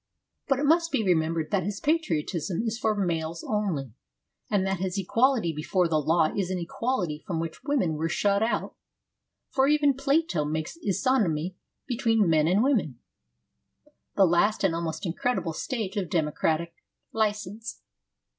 But it must be remembered that his patriotism is for males only, and that his equality before the law is an equality from which women were shut out ; for even Plato makes isonomy between men and women the last and almost incredible stage of democratic licence.